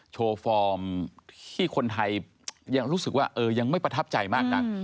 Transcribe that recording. โชว์ฟอร์มที่คนไทยยังรู้สึกว่ายังไม่ประทับใจมากนัก